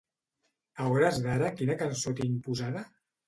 A hores d'ara quina cançó tinc posada?